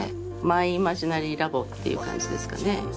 マイイマジナリーラボっていう感じですかね。